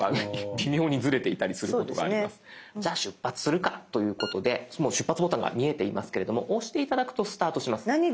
じゃあ出発するかということでもう「出発」ボタンが見えていますけれども押して頂くとスタートします。